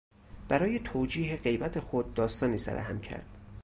برای توجیه غیبت خود داستانی سرهم کرد.